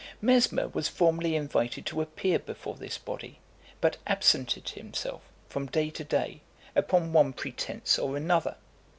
Mesmer was formally invited to appear before this body, but absented himself from day to day, upon one pretence or another.